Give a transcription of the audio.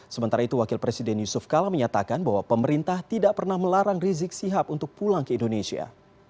sementara itu wakil presiden yusuf kala menyatakan bahwa pemerintah tidak pernah melarang rizik sihab untuk pulang ke indonesia